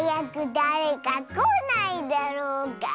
だれかこないだろうか。